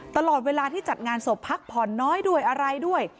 ตลอดเวลาที่จัดงานศพพักผ่อนน้อยด้วยอะไรด้วย